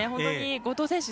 後藤選手